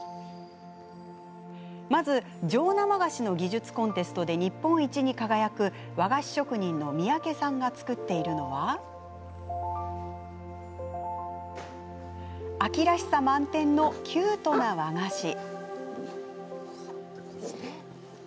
まず、上生菓子の技術コンテストで日本一に輝く和菓子職人の三宅さんが作っているのは秋らしさ満点のキュートな和菓子。